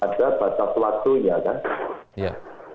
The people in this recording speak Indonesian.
ada pintu waktunya kan iya